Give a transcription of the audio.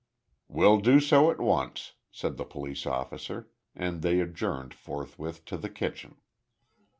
"We'll do so at once," said the police officer, and they adjourned forthwith to the kitchen.